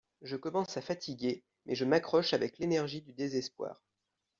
Je commence à fatiguer mais je m'accroche avec l'énergie du désespoir